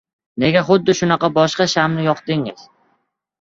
Nega xuddi shunaqa boshqa shamni yoqdingiz?